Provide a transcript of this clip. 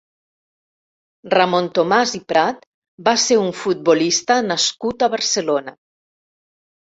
Ramon Tomàs i Prat va ser un futbolista nascut a Barcelona.